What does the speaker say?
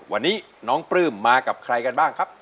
วันนี้น้องปลื้มมากับใครกันบ้างครับ